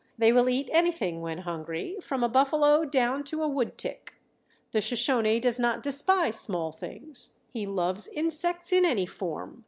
They will eat anything when hungry, from a buffalo down to a woodtick. The Shoshone does not despise small things. He loves insects in any form.